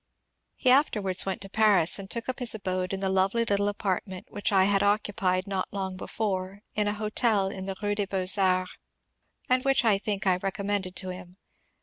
He afterwards went to Paris, and took up his abode in the lovely little i^artment which I had occupied not long before in a hotel in the Rue des Beaux Arts, and which I think I recommended to him.